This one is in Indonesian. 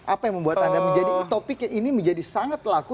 apa yang membuat anda menjadi topik ini menjadi sangat laku